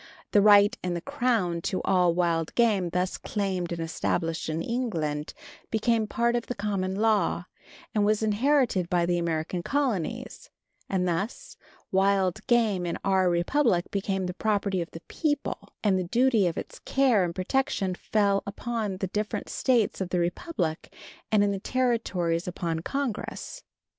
The right in the crown to all wild game, thus claimed and established in England, became part of the common law, and was inherited by the American colonies; and thus wild game in our Republic became the property of the people, and the duty of its care and protection fell upon the different States of the Republic, and in the territories upon Congress.